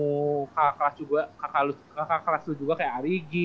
lu banyak ketemu kakak kelas juga kakak lu kakak kelas lu juga kayak arigi